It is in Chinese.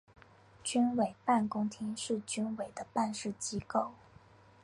军委办公厅是军委的办事机构。